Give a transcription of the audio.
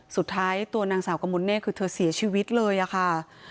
สุดท้ายตัวนางสาวกมลเนธคือเธอเสียชีวิตเลยอะค่ะ